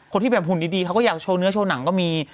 ที่แบบหุ่นดีเขาก็อยากโชว์เนื้อโชว์หนังก็มี